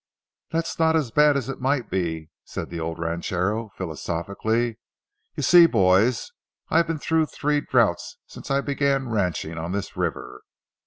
"That's not as bad as it might be," said the old ranchero, philosophically. "You see, boys, I've been through three drouths since I began ranching on this river.